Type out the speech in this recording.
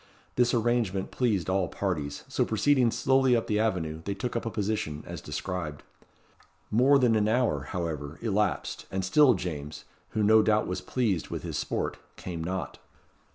This arrangement pleased all parties, so proceeding slowly up the avenue, they took up a position as described. More than an hour, however, elapsed, and still James, who no doubt was pleased with his sport, came not.